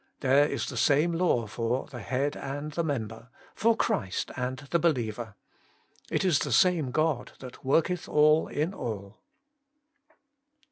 There is the same law for the Head and the member, for Christ and the behever. ' It is the same God that worketh all in all.'